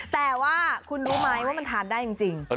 แต่ว่ารู้ไหมที่คุณทานด้วยจริง